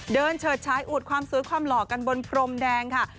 เฉิดฉายอวดความสวยความหล่อกันบนพรมแดงค่ะ